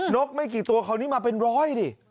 กไม่กี่ตัวคราวนี้มาเป็นร้อยดิ